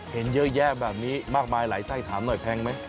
เห็นเยอะแยะแบบนี้มากมายหลายไส้ถามหน่อยแพงไหม